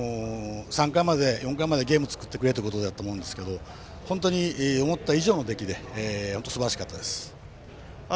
３回まで、４回までゲームを作ってくれということだったと思うんですが思った以上の出来で本当にすばらしかったです。